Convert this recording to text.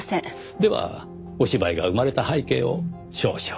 ではお芝居が生まれた背景を少々。